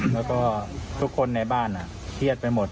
แล้วก็ทุกคนในบ้านเครียดไปหมด